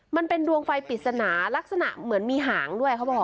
มันเป็นดวงไฟปริศนาลักษณะเหมือนมีหางด้วยเขาบอก